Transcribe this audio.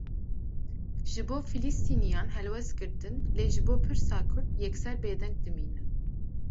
Ji bo filîstîniyan helwest girtin, lê ji bo pirsa Kurd, yekser bêdeng dimînin